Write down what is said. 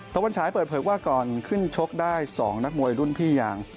ตะวันฉายเปิดเผยว่าก่อนขึ้นชกได้๒นักมวยรุ่นพี่อย่าง